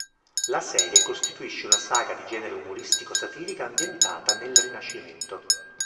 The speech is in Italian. La serie costituisce una saga di genere umoristico-satirica ambientata nel Rinascimento.